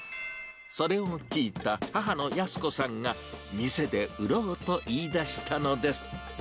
それを聞いた、母の靖子さんが、店で売ろうと言いだしたのです。